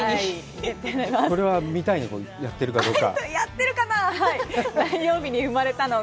これは見たいな、やってるかどうか。